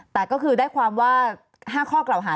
แต่ก็คือได้ความว่า๕ข้อกล่าวหา